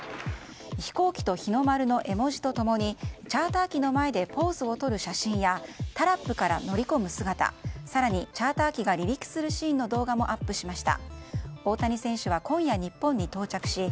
飛行機と日の丸の絵文字と共にチャーター機の前でポーズをとる写真やタラップから乗り込む姿更に、チャーター機が離陸するシーンの動画もアップしました。